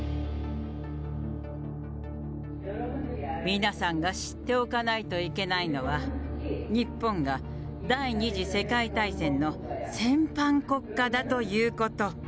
皆さんが知っておかないといけないのは、日本が第２次世界大戦の戦犯国家だということ。